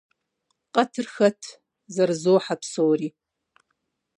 - Къэтыр хэт?! – зэрызохьэ псори.